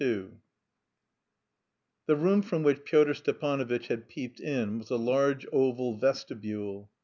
II The room from which Pyotr Stepanovitch had peeped in was a large oval vestibule.